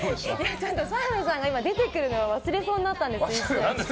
澤部さんが出てくるのを忘れそうになったんです、一瞬。